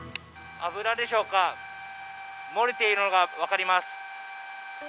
油でしょうか、漏れているのが分かります。